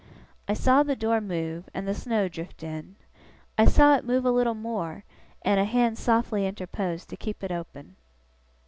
I saw the door move, and the snow drift in. I saw it move a little more, and a hand softly interpose to keep it open.